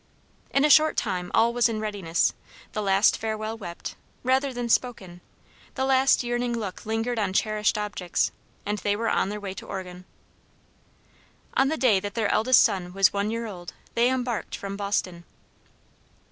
In a short time all was in readiness, the last farewell wept, rather than spoken, the last yearning look lingered on cherished objects, and they were on their way to Oregon. On the day that their eldest son was one year old, they embarked from Boston.